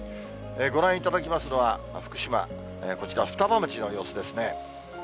ご覧いただきますのは、福島、こちら双葉町の様子ですね。